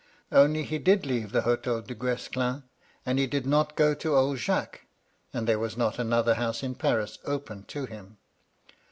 Only he did leave the Hotel Duguesclin, and he did not go to old Jacques, and there was not another house in Paris open to him.